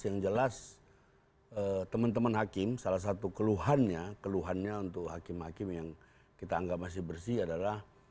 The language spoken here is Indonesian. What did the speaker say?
yang jelas teman teman hakim salah satu keluhannya keluhannya untuk hakim hakim yang kita anggap masih bersih adalah